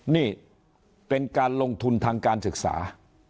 นี่เป็นการลงทุนทางการศึกษา